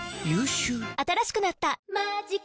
新しくなった「マジカ」